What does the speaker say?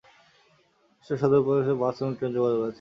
কুষ্টিয়া সদর উপজেলার সাথে বাস এবং ট্রেন যোগাযোগ আছে।